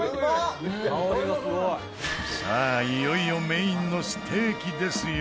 さあ、いよいよメインのステーキですよ